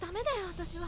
私は。